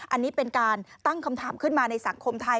อันนี้เป็นการตั้งคำถามขึ้นมาในสังคมไทย